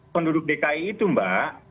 penduduk dki itu mbak